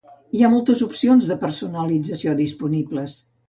Hi ha moltes opcions de personalització disponibles.